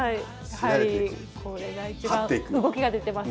これが一番動きが出てます